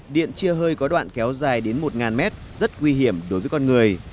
điện chia hơi có đoạn kéo dài đến một mét rất nguy hiểm đối với con người